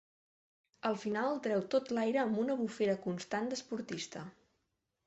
Al final treu tot l'aire amb una bufera constant d'esportista.